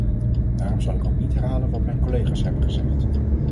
Daarom zal ik ook niet herhalen wat mijn collega's hebben gezegd.